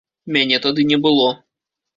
Мяне тады не было.